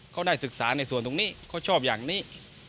เขาได้ศึกษาในส่วนตรงนี้เขาชอบอย่างนี้